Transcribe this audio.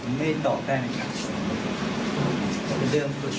ผมไม่ตอบแค่ไหนครับแต่เป็นเรื่องส่วนตัวของผม